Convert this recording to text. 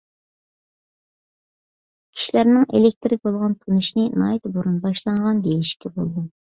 كىشىلەرنىڭ ئېلېكتىرگە بولغان تونۇشىنى ناھايىتى بۇرۇن باشلانغان دېيىشكە بولىدۇ.